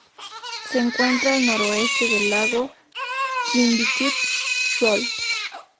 Se encuentra al noroeste del lago Jindiktig-Jol.